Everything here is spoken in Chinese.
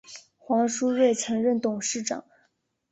黄书锐曾任董事长。